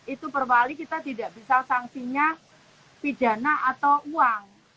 itu perwali kita tidak bisa sanksinya pidana atau uang